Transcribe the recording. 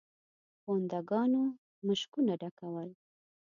پونده ګانو مشکونه ډکول.